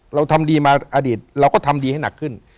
เราทำดีมาอดีตเราก็ทำดีให้หนักขึ้น